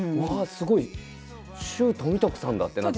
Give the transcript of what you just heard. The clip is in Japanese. すごい周富徳さんだってなって。